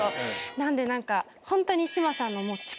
なんで何かホントに。